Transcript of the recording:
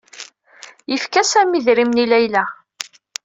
Yefka Sami idrimen i Layla.